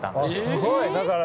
すごい！だから。